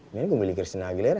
ini gue milih christina aguilera